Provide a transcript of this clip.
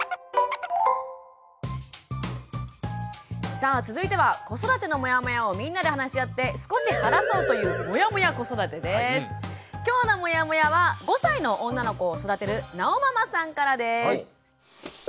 さあ続いては子育てのモヤモヤをみんなで話し合って少し晴らそうという今日のモヤモヤは５歳の女の子を育てるなおママさんからです。